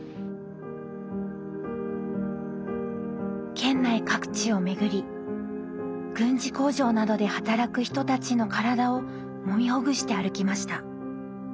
県内各地を巡り軍事工場などで働く人たちの体をもみほぐして歩きました。